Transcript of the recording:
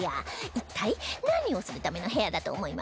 一体何をするための部屋だと思いますか？